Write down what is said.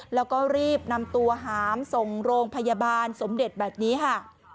แล้วก็รีบนำตัวหามส่งโรงพยาบาลสมเด็จแบบนี้ค่ะ